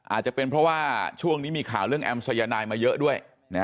อาจจะเป็นเพราะว่าช่วงนี้มีข่าวเรื่องแอมสายนายมาเยอะด้วย